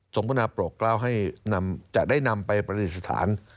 สมภนาปลกเล่าให้นำจะได้นำไปปฏิษฐาน